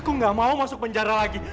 aku nggak mau masuk penjara lagi